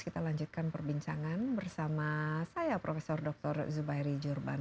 kita lanjutkan perbincangan bersama saya prof dr zubairi jurban